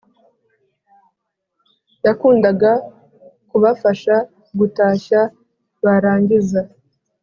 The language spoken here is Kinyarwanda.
Yakundaga kubafasha gutashya, barangiza